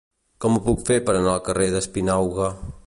Com ho puc fer per anar al carrer d'Espinauga?